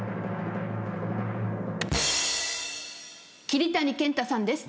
桐谷健太さんです。